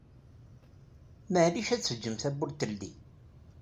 Meɛlic ad teǧǧem tawwurt teldi?